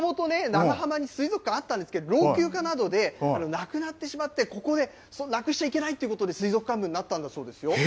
長浜に水族館、あったんですけど老朽化などでなくなってしまってここでなくしてはいけないということでこうなったんですよ。